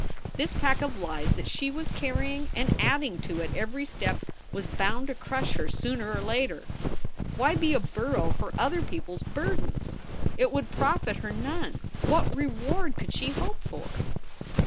This pack of lies that she was carrying and adding to at every step was bound to crush her sooner or later. Why be a burro for other people s burdens? It would profit her none. What reward could she hope for?